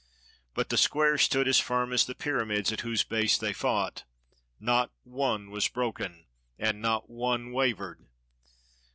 But the squares stood as firm as the pyramids at whose base they fought. Not one was broken; and not one wavered.